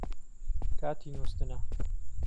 کاتی نووستنە